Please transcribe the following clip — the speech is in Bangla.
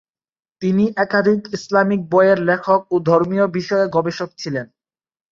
তিনি একাধিক ইসলামী বইয়ের লেখক ও ধর্মীয় বিষয়ে গবেষক ছিলেন।